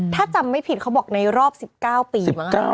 ถ้าจำไม่ผิดเขาบอกในรอบ๑๙ปีมั้ง